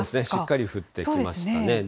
しっかり降ってきましたね。